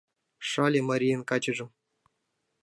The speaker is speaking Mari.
Шале марийын качыжым